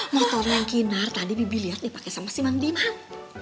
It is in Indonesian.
motornya hilang tadi bibi liat dipake sama si mandiman